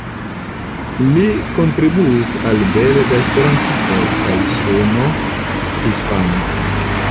Li kontribuis al "Belga Esperantisto" kaj "Suno Hispana".